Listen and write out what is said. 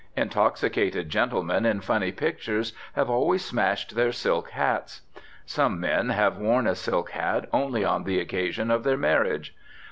Intoxicated gentlemen in funny pictures have always smashed their silk hats. Some men have worn a silk hat only on the occasion of their marriage.